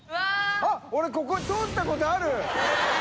あっ俺ここ通ったことある！